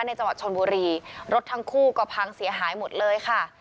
จังหวัดชนบุรีรถทั้งคู่ก็พังเสียหายหมดเลยค่ะ